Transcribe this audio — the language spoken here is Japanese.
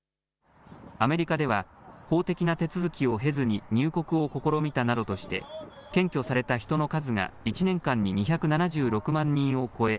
アメリカでは法的な手続きを経ずに入国を試みたなどとして検挙された人の数が１年間に２７６万人を超え